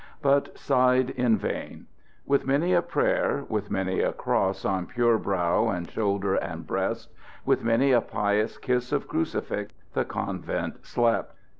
But sighed in vain. With many a prayer, with many a cross on pure brow and shoulder and breast, with many a pious kiss of crucifix, the convent slept.